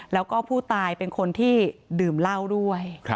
แล้วก็ผู้ตายเป็นคนที่ดื่มเหล้าด้วย